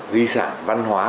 di sản văn hóa